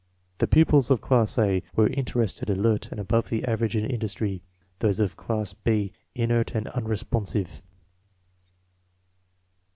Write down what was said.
The pupils of class A were interested, alert, and above the average in industry; those of class B inert and unresponsive.